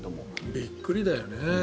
びっくりだよね。